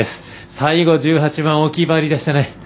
最後、１８番大きいバーディーでしたね。